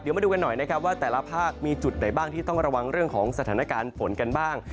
มาดูกันหน่อยนะครับว่าแต่ละภาคมีจุดไหนบ้างที่ต้องระวังเรื่องของสถานการณ์ฝนกันบ้าง